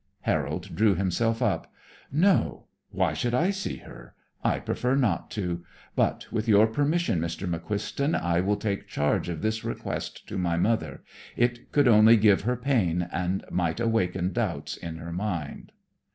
Harold drew himself up. "No. Why should I see her? I prefer not to. But with your permission, Mr. McQuiston, I will take charge of this request to my mother. It could only give her pain, and might awaken doubts in her mind."